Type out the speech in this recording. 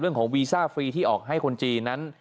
ของวีซ่าฟรีที่ออกให้คนจีนนั้น